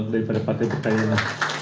daripada partai berkarya